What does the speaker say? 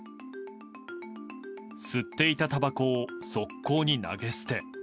吸っていたたばこを側溝に投げ捨て。